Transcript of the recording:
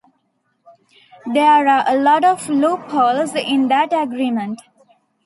There are a lot of loopholes in that agreement.